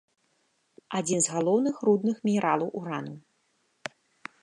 Адзін з галоўных рудных мінералаў урану.